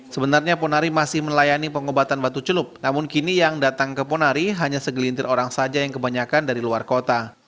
sebenarnya ponari masih melayani pengobatan batu celup namun kini yang datang ke ponari hanya segelintir orang saja yang kebanyakan dari luar kota